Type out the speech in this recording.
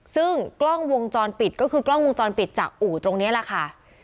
ซึ่งกล้องวงจรปิดก็คือกล้องวงจรปิดจากอู่ตรงนี้แหละค่ะ